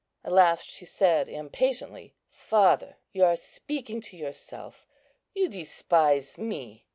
At last she said impatiently, "Father, you are speaking to yourself; you despise me."